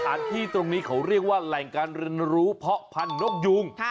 สถานที่ตรงนี้เขาเรียกว่าแหล่งการเรรุเพศภัณฑ์นกยูง